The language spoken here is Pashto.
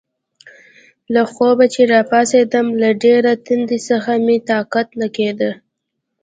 له خوبه چې راپاڅېدم، له ډېرې تندې څخه مې طاقت نه کېده.